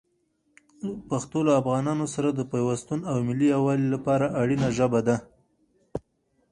پښتو له افغانانو سره د پیوستون او ملي یووالي لپاره اړینه ژبه ده.